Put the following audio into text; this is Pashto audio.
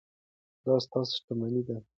دا ستاسو شتمني ده.